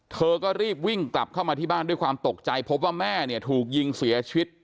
เธอก็รีบวิ่งกลับเข้ามาที่บ้านด้วยความตกใจพบว่าแม่เนี่ยถูกยิงเสียชีวิต